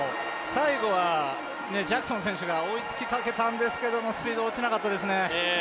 最後はジャクソン選手が追いつきかけたんですけれどもスピードが落ちなかったですね。